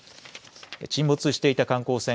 沈没していた観光船